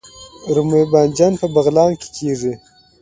رومي بانجان په بغلان کې کیږي